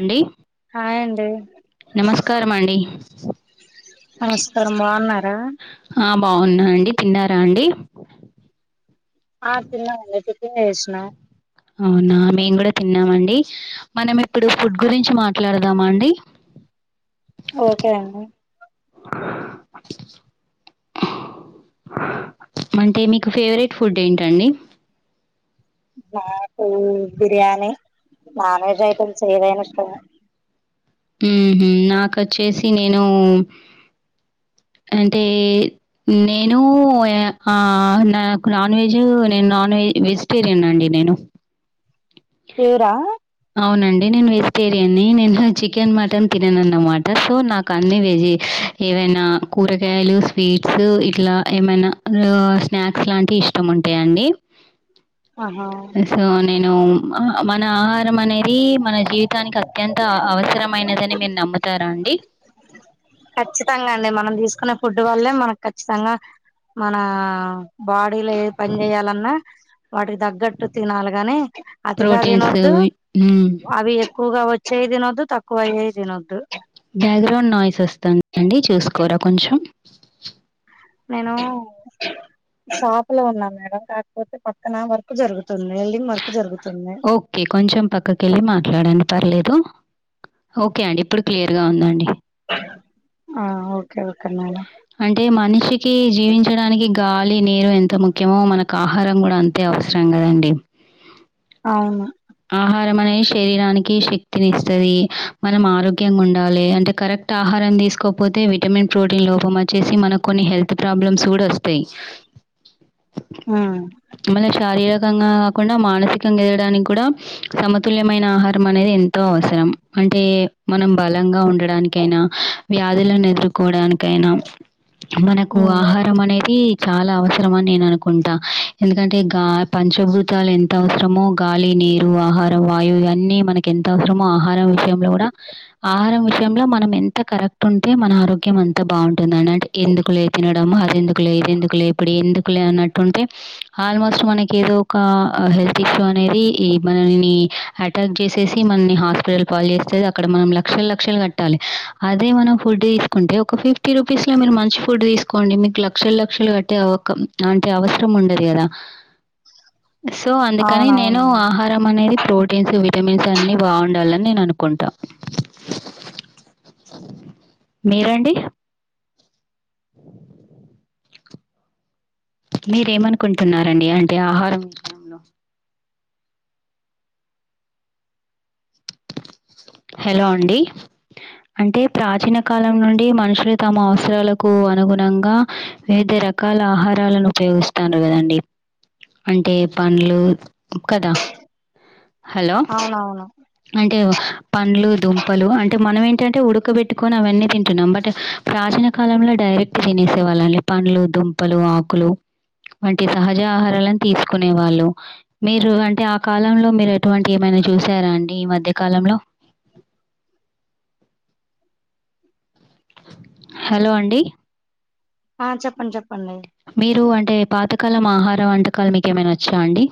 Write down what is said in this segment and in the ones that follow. అండి హాయ్ అండి నమస్కారం అండి నమస్కారం బాగున్నారా అ బాగున్నా అండి తిన్న రండి అ తిన్నాం అండి చేటిని చేసిన అవునా మేమ్ గుడా తిన్నమండి మనం ఇప్పుడు ఫుడ్ గురించి మాట్లాడదామా అండి [inaudible] ఓకే అండి [inaudible] అంటే మీకు ఫేవరెట్ ఫుడ్ ఏంటండి నాకు బిర్యానీ నాన్ వెెజ్ ఐటమ్స్ ఏదైనా ఇష్టమే హ్మ్ హు నాకొచ్చేసి నేను అంటే నేను అ నాకు నాన్ వెజ్ నేను నాన్ వెజ్ వెజిటేరియన్ అండి నేను షూరా అవునండి నేను వెజిటేరియన్ని నేను చి చికెన్ మటన్ తినన అన్నమాట సో నాకు అన్ని వేజే ఏవైనా కూరగాయలు స్వీట్స్ ఇట్ల ఏమైన స్నాక్స్ లాంటి ఇష్టముం ఉంటయ అండి ఆహా సో నేను మన ఆహ రం అనేది మన జీవితానికి అత్యంత అవసరమైనదని మీరు నమ్ముతారా అండి ఖచ్చితంగా అండి మనం తీసుకునే ఫుడ్ వల్లే మనకు ఖచ్చితంగ మన బాడీలో ఏది పని చేయాలన్నా వాటికి తగ్గట్టు తినాలి గానే తిగా ప్రోటీన్స్ తినొద్దు వి హ్మ్. అవి ఎక్కువగా వచ్చాయి తినొద్దు తక్కువ అయ్యేయి తినొద్దు బ్యాక్‌గ్రౌండ్ నాయిస్ వస్తుందండి. చూసుకోరా కొంచెం? నేను షాపులో ఉన్నాను మేడం కాకపోతే పక్కన వర్క్ జరుగుతుంది వెల్డింగ్ వర్క్ జరుగుతుంది ఓకే కొంచెం పక్కకి వెళ్ళి మాట్లాడాండి పర్లేదు ఓకే అండి ఇప్పుడు క్లియర్ గా ఉందండి ఆఓ అంటే మనిషికి జీవించడానికి గాలి నీరు ఎంత ముఖ్యమో మనకు ఆహారం కూడా అంతే అవసరం కదండి అవును ఆహారం అనేది శరీరానికి శక్తిని ఇస్తది మనం ఆరోగ్యంగా ఉండాలి అంటే కరెక్ట్ కరెక్ట్ ఆహారం తీసుకోపోతే విటమిన్ ప్రోటీన్ లోపం వచ్చేసి మనకు కొన్ని హెల్త్ ప్రాబ్లమ్స్ కూడా వస్తయి ఉమ్ మళ్ళ శారీరకంగా కాకుండా మానసికంగా ఎదగడానికి కూడా సమతుల్యమైన ఆహారం అనేది ఎంతో అవసరం అంటే మనం బలంగా ఉండడానికైనా వ్యాధులను ఎదుర్కోవడానికైనా మనకు ఉమ్ ఆహారం అనేది చాలా అవసరమని నేను అనుకుంటా ఎందుకంటే గా పంచభూతాలు ఎంత అవసరమో గాలి నీరు ఆహారం వాయువు ఇవన్నీ మనకి ఎంత అవసరమో ఆహారం విషయంలో కూడా ఆహారం విషయంలో మనం ఎంత కరెక్ట్ ఉంటే మన ఆరోగ్యం అంత అంత బాగుంటుంది అన్నట్టు ఎందుకు లే తినడము అది ఎందుకు లే ఎందుకు లే ఇప్పుడు ఎందుకు లే అన్నట్టుంటే ఆల్మోస్ట్ మనకి ఏదో ఒక హెల్త్ ఇష్యూ అనేది ఈ మనల్ని అటాక్ జేసేసి మనల్ని హాస్పిటల్ పాలు చేేస్తేది అక్కడ మనం లక్షల లక్షలు కట్టాలి అదే మనం ఫుడ్ తీసుకుంటే ఒక ఫిఫ్టీ రూపీస్ లో మీరు మంచి ఫుడ్ తీసుకోండి మీకు లక్షల లక్షలు కట్టే ఒక అంటే అవసరం ఉండదు కదా సో అందుకని నేను అవునవును ఆహారం అనేది ప్రోటీన్స్ విటమిన్స్ అన్ని బాగుండాలి అని నేను అనుకున్నాను కుంటా మీరండి మీరేమనుకుంటున్నారండి అంటే ఆహారం విషయంలో హలో అండి అంటే ప్రాచీన కాలం నుండి మనుషులు తమ అవసరాలకు అనుగుణంగా వివిధ రకాల ఆహారాలను ఉపయోగిస్తారు కదండి అంటే పండ్లు కదా హలో! అవునవును అంటే పండ్లు దుంపలు అంటే మనం ఏంటంటే ఉడకబెట్టుకొని అవన్నీ తింటున్నాం బట్ ప్ర ప్రాచీన కాలంలో డైరెక్ట్ తినేసే వాళ్ళని పండ్లు దుంపలు ఆకులు వంటి సహజ ఆహారాలను తీసుకునే వాళ్ళు మీరు అంటే ఆ కాలంలో మీరు ఎటువంటి ఏమైనా చూసారా అండి ఈ మధ్యకాలంలో హలో అండి ఆ చెప్పండి చెప్ మీరు అంటే పాతకాలం ఆహార వంటకాలు మీకు ఏమైనా వచ్చా అండి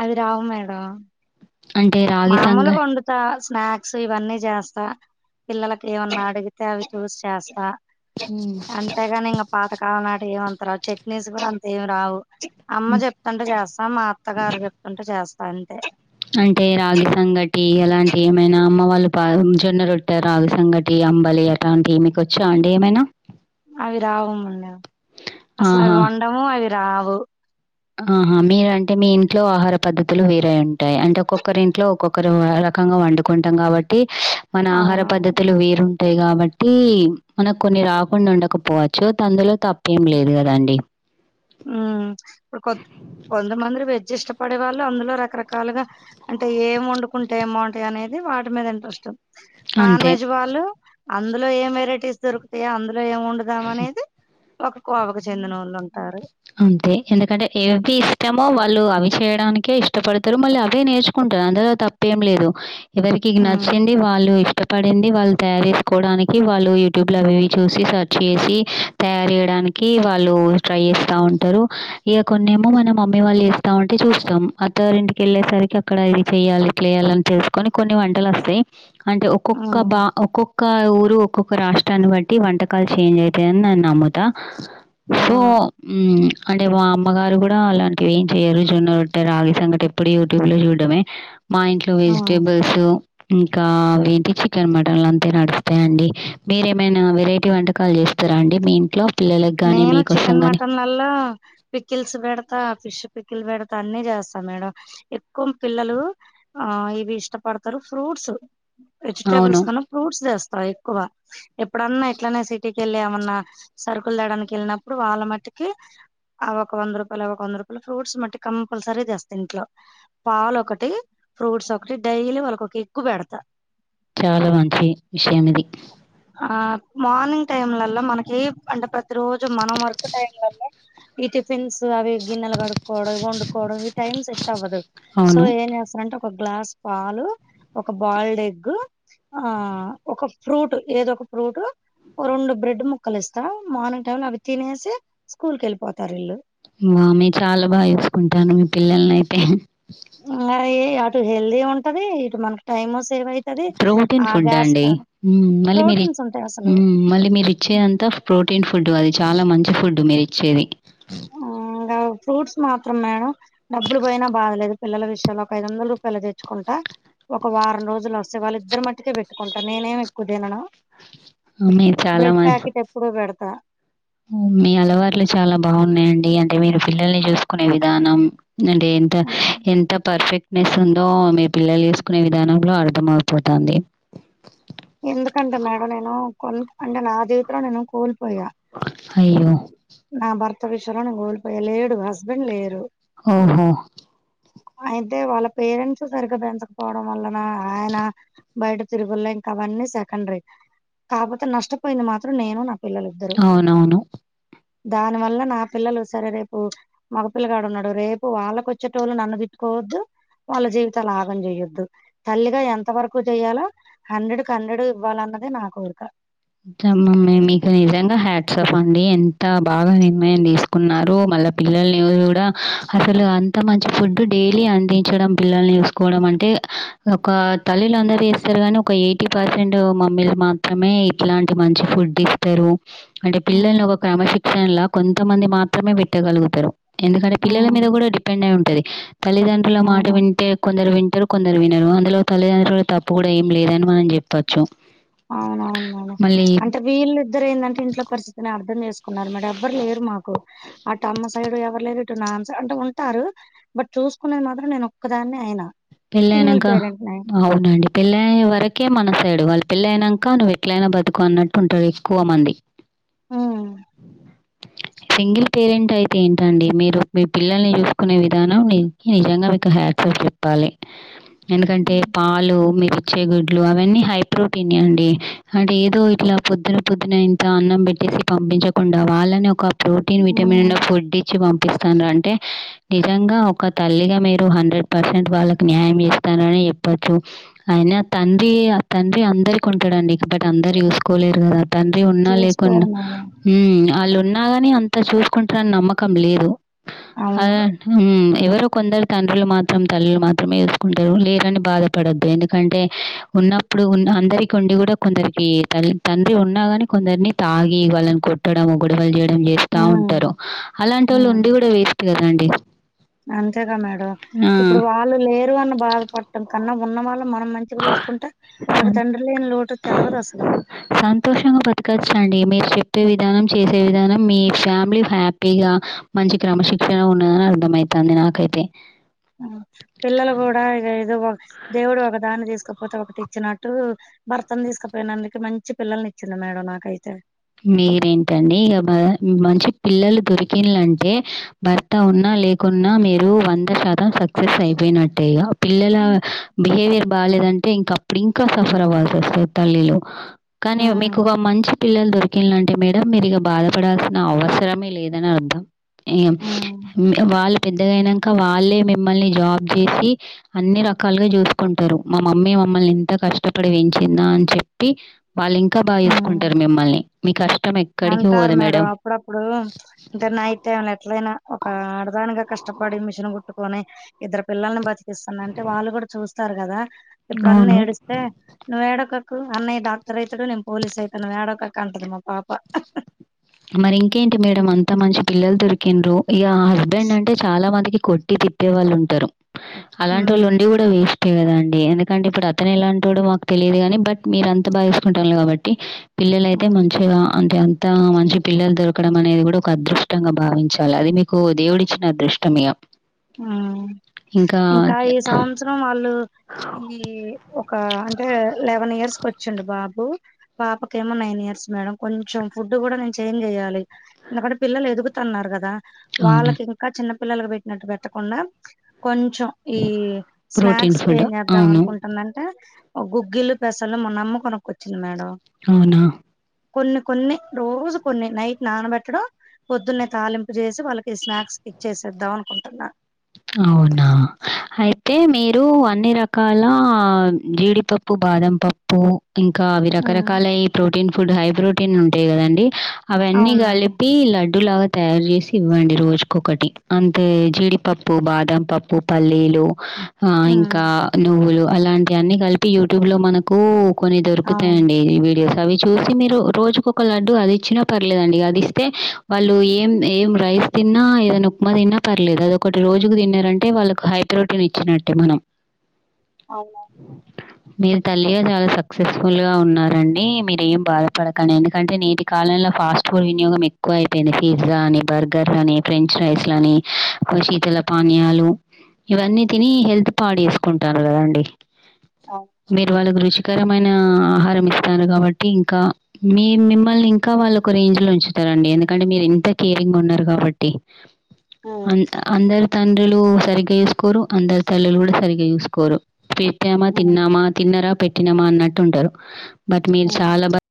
అది రావు మేడం అంటే రాగి సంగ మామూలుగ వండుత స్నాక్స్ ఇవన్నీ చేస్తా పిల్లలకి ఏమన్నా అడిగితే అవి చూస్ చేస్తా హ్మ్. అంతేగాని ఇంకా పాతకాలం నాటి ఏమంత రావు చట్నీస్ కూడా అంత ఏమి రావు అమ్మ హ్మ్. చెప్తుంటే చేస్తా మా అత్తగారు చెప్తుంటే చేస్తా అంతే అంటే రాగి సంగటి అలాంటి ఏమైనా అమ్మ వాళ్ళు పా జొన్నరొట్టా రాగి సంగటి అంబలి అలావంటి మీకు వచ్చా అండి ఏమైనా అవి రావు మేడం అసలు అవి ఆహా! వండము అవి రావు ఆహా మీరు అంటే మీ ఇంట్లో ఆహార పద్ధతులు వేరే ఉంటాయి అంటే ఒక్కొక్కరి ఇంట్లో ఒక్కొక్కరు రకంగా వండుకుంటాం కాబట్టి మన ఆహార అవునవును పద్ధతులు వీరూం ఉంటాయి కాబట్టి మనకు కొన్ని రాకుండా ఉండకపోవచ్చు అందులో తప్పేం లేదు కదండి మ్ కొ కొంతమంది వెజ్ ఇష్టపడే వాళ్ళు అందులో రకరకాలుగా అంటే ఏం వండుకుంటే ఏంబాగుంటాయి అనేది వాటి మీద ఇంట్రెస్ట్ నాన్ అంతే. వెజ్ వాళ్ళు అందులో ఏం వెరైటీస్ దొరుకుతాయా అందులో ఏం వండుదం అనేది ఒక కోవకు చెందిన వాళ్ళు ఉంటారు అంతే ఎందుకంటే ఏవి ఇష్టమో వాళ్ళు అవి చేయడానికే ఇష్టపడతారు మళ్ళ అవే నేర్చుకుం అందులో తప్పేం లేదు ఎవరికి హ్మ్. నచ్చింది వాళ్ళు ఇష్ ష్టపడింది వాళ్ళు తయారు చేసుకోవడానికి వళ్ళు యూట్యూబ్ లో అవి చూసి సర్చ్ చేసి తయారు చేయడాని వాళ్ళు ట్రై చేస్ స్తా ఉంటారు ఇగ కొన్నిేమో మనం మమ్మీ వాళ్ళు ఇస్తా ఉంటే చూస్తాం అత్తరింటికి వేలే సరికి అక్కడ చెయ్యాలి ఇట్లా చేయాలని తేలుసుకొని కొన్ని వంటలు వస్తాయి అంటే ఒక్కొక్క హ్మ్. బా ఒక్కొక్క ఊరు ఒక్కొక్క రాష్ట్రాన్ని బట్టి వంట కలు చెంజ్ అవుతయని నిను నమ్ముతా సో అవును అంటే మా అమ్మగారు కూడా అలాంటివి ఏం చెయరు జొన్నట్టే రాగి సంగట ఎప్పుడు యూట్యూబ్ లో చూడమే మా ఇంట్లో హ్మ్. వెజిటేబుల్స్ ఇంకా ఏంటి చికెన్ మటన్లు అంతే నడుస్తయండి మీరేమైనా వెరైటీ వంట కాల్ చేస్ స్తారండి మీ ఇంట్లో పిల్లలకు కానీ మీకోసం కానీ ల పికిల్స్ పెడుతా ఫిష్ పికిల్ పెడుత అన్ని చేస్తా మేడం ఎక్కువ పిల్లలు ఆ ఇవి ఇష్టపడ్ స్తరు ఫ్రూట్స్ అవును. వెజిటేబుల్స్ కన్నా ఫ్రూట్స్ జేస్తా ఎక్కువ ఎప్పుడన్న ఇట్లనే సిటీ కెళ్ళి ఏమన్నా సరుకుల్ తేవడానికి ఎళ్ళినప్పుడు వాళ్ళ మట్టుకి ఆ ఒక వంద రూపాలు ఇవి ఒక వంద రూపాలు ఫ్రూట్స్ మట్టి కంపల్సరీ తెస్త ఇంట్లో పాల్ ఒకటీ ఫ్రూట్స్ ఒకటి, డైలీ వాళ్ళకొక ఎగ్ పెడ్తా. చాలా మంచి విషయం ఇది. ఆ మార్నింగ్ టైమ్లల్లో మనకీ అంటే ప్రతి రోజు మనం వర్క్ టైంలలో ఈ టిఫిన్స్ అవి గిన్నెల్ కడుక్కోవడం, వండుకోవడం ఇవి టైం సెట్ అవ్వదు సో అవును. ఏం చేస్తానంటే ఒక్ గ్లాస్ పాలు, ఒక బాయిల్డ్ ఎగ్ ఆ ఒక ఫ్రూట్ ఏదో ఒక ఫ్రూట్ ఓ రొండు బ్రెడ్ ముక్కలేస్ స్త మార్నింగ్ టైమ్లో అవి తినేసి స్కూల్కెళ్ళిపోతారు ఈళ్ళు వా మీ చాలా బాగా చూస్కుంటాను మీ పిల్లల్నైతే ఆయే అటు హెల్దీ ఉంటది, ఇటు మనకు టైము సేవ్ అయితది ప్రోటీన్ ఆ ఫుడ్ గ్యాస్ అండి. కాడ మళ్ళీ మీర్ ఇ ప్రోటీన్స్ ఉంటాయి అసలు మళ్ళీ మీర్ ఇచ్చే అంతా ప్రో టిన్ ఫుడ్ అది చాలా మంచి ఫుడ్ మీరిచ్చేది. ఇంగా ఫ్రూట్స్ మాత్రం మేడం డబ్బులు పోయినా బాధలేదు పిల్లల విషయంలో ఒక ఐదు వందల రూపాయలు తెచ్చుకుంటా ఒక వారం రోజులు వస్తే వాళ్ళిద్దరి మట్టుకే పెట్టుకుంటా, నేనేం ఎక్కు తినను మీరు చాలా బ్రెడ్ మ ప్యాకెట్ ఎప్పుడు పెడతా మీ అలవాట్లు చాలా బాగున్నయండి, అంటే మీరు పిల్లల్ని చూస్కునే విధానం నంటే ఎంత ఎంత పర్ఫెక్ట్ నెస్ ఉందో మీ పిల్లల్ చేస్కునే విధానంలో అర్థం అవుపోతాంది. ఎందుకంటే మేడం నేను కొంత్ అంటే నా జీవితంలో నేను కోల్ పోయా. అయ్యో! నా భర్త విషయంలో నేన్ కోల్పోయా లేడు హస్బెండ్ లేరు. ఓహో! అయితే వాళ్ళ పేరెంట్స్ సరిగ్గా పెంచకపోవడం వల్లనా ఆయన బైట తిరుగుల్ల అవన్నీ సెకండ్రీ కాపోతే నష్టపోయింది మాత్రం నేను నా పిల్లలిద్దరు అవునవును. దాని వల్ల నా పిల్లలు సరే రేపు మగ పిల్లగాడున్నడు రేపు వాళ్ళకొచ్చేటోళ్ళు నన్ను తిట్టుకో వద్దు వాళ్ళ జీవితాల్ ఆగం చేయొద్దు. తల్లిగా ఎంత వరకు చేయాలో హండ్రెడ్క్ హండ్రెడ్ ఇవ్వాలన్నదే నా కోరిక. [unintelligible] మీకు నిజంగా హ్యాట్సప్ అండి ఎంత బాగా నిర్ణయం తీస్కున్నారు మ అసలు అంత మంచి ఫుడ్ డైలీ అందించడం, పిల్లల్ని చూస్కోవడం అంటే ఒకా తల్లిలు అందరు చేస్తారు గని ఒక ఎయిటీ పర్సెంట్ మమ్మీలు మాత్రమే ఇలాంటి మంచి ఫుడ్ ఇస్తరు అంటే పిల్లల్ని ఉమ్ ఒక క్రమశిక్షణలా కొంతమంది మాత్రమే పెట్టగలుగుతరు. ఎందుకంటే పిల్లల మీద ఉమ్ గుడా డిపెండై ఉంటది. తల్లిదండ్రుల మాట అవును వింటే కొందరు విన్ టరు కొందరు వినరు అందులో తల్లిదండ్రుల తప్పు గుడ ఏం లేదని మనం జెప్పచ్చు. అవునవును మేడమ్ అంటే వీళ్ళిద్దరేదంటే ఇంట్ల పరిస్థితిని అర్థం చేస్ కున్నారు మేడం. ఎవ్వర్ లేరు మాకు అటు అమ్మ సైడ్ ఎవర్ లేరు ఇటు నానా సై అంటే ఉంటారు బట్ చూస్కునేది మాత్రం నేన్ ఒక్కదాన్నే అయినా సింగిల్ పెళ్ళైనంక పేరెంట్ నే అవునండి పెళ్ళైయే వరకే మన సైడు వాళ్ళ పెళ్ళైనంక నువ్వు ఎట్లైన బతుకు అన్నట్టు ఉంటరు ఎక్కువ మంది ఉమ్ సింగిల్ పేరెంట్ అయితే ఏంటండి మీరు మీ పిల్లల్ని చూస్కునే విధానం నిజంగా మీకు హాట్సాఫ్ చెప్పాలి. ఎందుకంటే పాలు మీ రిచ్చే గుడ్లు అవన్నీ హై ప్రోటీనే అండి అంటే ఏదో ఇట్లా పొద్దున పొద్దున ఇంత అన్నం పెట్టి పంపించకుండా వాళ్ళని ఒక ప్రోటీన్ విటమిన్ లో ఉమ్ ఫుడ్ ఇచ్చి పంపిస్తారు అంటే నిజంగా ఒక తల్లిగా మీరు హండ్రెడ్ పర్సెట్ వాళ్ళకి న్యాయం చేస్తారని చెప్పచ్చు అయినా తండ్రి ఆ తండ్రి అందరికి ఉంటాడండి బట్ అందరు చూసుకోలేరు కదా తండ్రి ఉన్నా లేకున్నా చూసుకోరు మేడం వాళ్ళు ఉన్నా అగాని అంత చూసుకుంటారని నమ్మకం లేదు అ అవును ఎవరో కొందరు తండ్రులు మాత్రం తల్లు మాత్రమే చూసుకుంటారు లేరని బాధపడద్దు ఎందుకంటే ఉన్నప్పుడు ఉ అందరికి ఉండి కూడా కొందరికి తల్ తండ్రి ఉన్నాగాని కొందరిని తాగి వాళ్ళని కొట్టడం గుొడవలు చేయ చేస్తా హ్మ్ ఉంటారు అలాంటి వాళ్ళు ఉండి హ్మ్ కూడా వేస్ట్ కదండి అంతేగా మేడం ఇప్పుడు వాళ్ళు లేరు అని బాధపడటం కన్నా ఉన్న వాళ్ళ మనం మంచిగా చూసుకుంటే వాళ్ళకి తండ్రిలేని లో సంతోషంగా బత్తుకొచ్చు అండి మీరు చెప్పే విధానం చేసే విధానం మీ ఫ్యామిలీ హ్యాపీగా మంచి క్రమశిక్షణ ఉ ఉన్నదని అర్థమైతాంది నాకైతే పిల్లలు కూడా ఇ ఏదో ఒక దేవుడు ఒక దాన్ని తీసుకుపోతే ఒకటి ఇచ్చినట్టు భర్తను తీసుకుపోయినందుకి మంచి పిల్లల్ని ఇచ్చిండు మేడం నాకైతే మీరేంటండి ఇగ మ మంచి పిల్లలు దొరికిండ్లంటే భర్త ఉన్నా లేకున్నా మీరు వంద శాతం సక్సెస్ అయిపోయినట్టే ఇగ పిల్లల హ్మ్ బిహేవియర్ బాలేదంటే ఇంకా అప్పుడు ఇంకా సఫర్ అవ్వాల్సి వస్తది తల్లిలు కానీ మీకు హ్మ్ ఒక మంచి పిల్లలు దొర్ కిలాంటే మేడం మీరి ఇగ బాధపడాల్సిన అవసరమే లేదని అర్థం ఏ వాళ్ళు పెద్దగాైనా ఇంకా వాళ్ళే మిమ్మల్ని జాబ్ చేసి అన్ని రకాలుగా చూసుకుంటారు మా మమ్మీ మమ్మల్ని ఇంత కష్టపడి వంచిందా అని చెప్పి వాళ్ళు ఇంకా బాగా హ్మ్ చేసుకుంటారు మిమ్మల్ని మీ కష్ట అంటారు మేడం అప్పుడప్పుడు అంటే నైట్ టైం లో ఎట్లయినా ఒక ఆడదానిగా కష్ట కప్పడి మిషన్ కుట్టుకొని ఇద్దరు పిల్లల్ని బతికిస్తున్న అంటే వాళ్ళు కూడా చూస్తారు కదా ఇప్పుడున్న అవును. ఏడుస్తే నువ్ ఏడవక్ కు అన్నయ్య డాక్టర్ అయితాడు నేను పోలీస్ అయితానువ్ వడకక్క అంటది మా పాప మరి ఇంకేంటి మేడం అంత మంచి పిల్లలు దొరికిన్రు ఇగ హస్బెండ్ అంటే చాలా మందికి కొట్టి తిట్టే వాళ్ళు ఉంటారు అలాంటి వాళ్ళు ఉమ్ ఉండి కూడా వేస్ తే కద అండి ఎందుకంటే ఇప్పుడు అతను ఎలా అంటాడుో మాకు తెలియదు గాని బట్ మీరు అంతా బాగాసుకుంటాళ్ళు కాబట్టి పిల్లల అయితే ఉమ్ మంచిగా అంటే అంత మంచి పిల్లలు దొరకడం అనేది కూడా ఒక అదృష్టంగా భావించాలి అది మీకు దేవుడి ఇచ్చిన అదృష్టం మిగ ఆ ఇంకా ఈ సంవత్సరం వాళ్ళు ఈ ఒక అంటే లెవెన్ ఇయర్స్ తీసుకొచ్చండు బాబు పాపకేమో నైన్ ఇయర్స్ మేడం కొంచెం ఫుడ్ కూడా నేను చేంజ్ చెయాలి ఎందుకంటే పిల్లలు ఎదుగుతున్నారు కదా అవును. వాళ్ళకి ఇంకా చిన్న పిల్లలకి పెట్టినట్టు పెట్టకుండా కొంచెం ఈ ప్రోటీన్ స్నాక్స్ ఫుడ్. చేంజ్ చేద్దాం అవును. అనుకుంటునంటే గుగ్గిల్ పెసలు మొన్నమ్మ కొనుక్కోచ్చింది మేడం అవునా కొన్ని కొన్ని రోజు కొన్ని నైట్ నానబెట్టడం పొద్దున్న తాలింపు చేసి వాళ్ళకి స్నాక్స్ కి చేసేద్దాం అనుకుంటున్నా అవునా అయితే మీరు అన్ని రకాల జీడిపప్పు బా బాదం పప్పు ఇంకా అవి ఉమ్, రకరకాల ప్రోటీన్ ఫుడ్ హై ప్రోటీన్ ఉంటాయి కదండి అవన్నీ అవును మేడం కలిపి లడ్డూ లాగా తయారు చేసి ఇవ్వండి రోజుకకటి అంతే జీడిపప్పు పప్పు బాదం పప్పు పల్లీలు ఆ ఉమ్. ఇంకా నువ్వులు అలాంటి అన్ని కలిపి యూట్యూబ్ లో మనకు కొన్ని అవును దొరుకుతాయండి వీడియోస్ అవి చూసి మీరు రోజుక ఒక లడ్డు అది ఇచ్చినా పర్లేదండి అది ఇస్తే వాళ్ళు ఏం ఏం రై స్ తిన్నా ఏదైనా ఉప్మా తిన్న పర్లేదు అది ఒక ఒకటి రోజుకు తిన్నారంటే వాళ్ళకు హైప్రోటీన్ ఇచ్చినట్టే మనం అవునా మీరు తల్లిగా చాలా సక్సెస్ఫుల్ గా ఉన్నారండి మీరు ఏం బాధపడకండి ఎందుకంటే నేటి కాలంలో ఫాస్ట్ ఫుడ్ వినియోగం ఎక్కువ అయిపోయింది పిజ్జా అని బర్గర్ల అని ఫ్రెంచ్ ఫ్రైస్ లని శీతల పానీయాలు ఇవన్నీ తిని హెల్త్ పాడ్యూస్సుకుంటున్నారు కదండి అవును మీరు వాళ గురు రుచికరమైన ఆహారం ఇస్తారు కాబట్టి ఇంకా మీ మిమ్మల్ని ఇంకా వాళ్ళ ఒక రేంజ్ లో ఉంచ తరండి ఎందుకంటే మీరు ఎంత కేరింగ్ ఉన్నారు కాబట్టి ఆ అం అందరి తండ్రులు సరిగ్గా చూసుకోరు అందరు తల్లు కూడా సరిగ్గా చూసుకోరు పెట్టామా ఉమ్ ఉమ్ తిన్నామా తిన్నరా పెట్టినామా అన్నట్టు ఉంటారు బట్ మీరు ఉమ్ చాలా బ